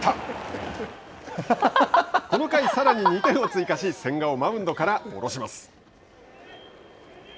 この回、さらに２点を追加し千賀をマウンドから降ろします。